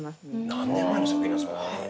何年前の作品なんですか。